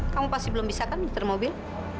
kamu pasti belum bisa kan muter mobil